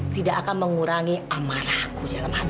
tidak akan mengurangi amarahku dalam hati